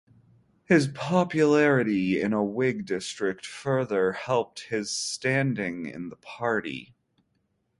His popularity in a Whig district further helped his standing in the party.